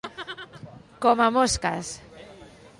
Com a mosques.